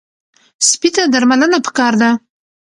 سپي ته درملنه پکار ده.